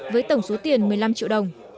với tổng số tiền một mươi năm triệu đồng